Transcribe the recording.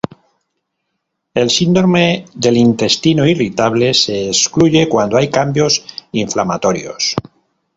El síndrome del intestino irritable se excluye cuando hay cambios inflamatorios.